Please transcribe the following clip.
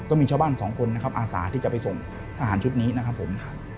ก็มีชาวบ้านสองคนนะครับอาสาที่จะไปส่งทหารชุดนี้นะครับผม